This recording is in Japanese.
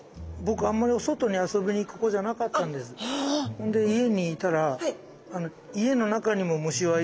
ほんで家にいたら家の中にも虫はいるんです。